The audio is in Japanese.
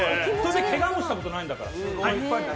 けがもしたことないんだから。